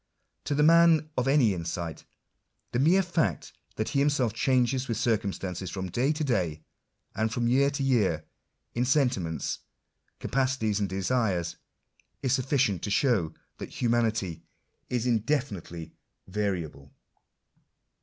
To the man of any insight, the mere faot that he himself changes with circumstances, from day to day, and from year to year, in sentiments, capacities, and desires, is sufficient to show that humanity is indefinitely variable.